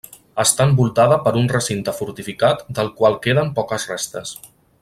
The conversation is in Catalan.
Està envoltada per un recinte fortificat del qual queden poques restes.